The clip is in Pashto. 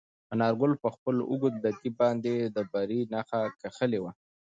انارګل په خپل اوږد لرګي باندې د بري نښه کښلې وه.